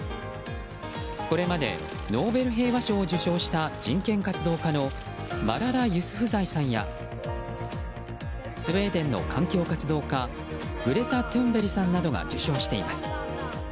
これまでノーベル平和賞を受賞した人権活動家のマララ・ユスフザイさんやスウェーデンの環境活動家グレタ・トゥンベリさんなどが受賞しています。